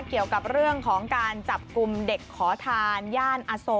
เกี่ยวกับเรื่องของการจับกลุ่มเด็กขอทานย่านอโศ